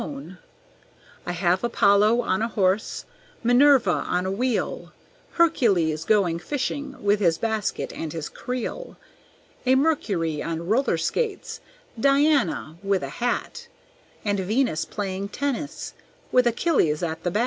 "I have Apollo on a horse, Minerva on a wheel, Hercules going fishing with his basket and his creel. A Mercury on roller skates, Diana with a hat, And Venus playing tennis with Achilles at the bat.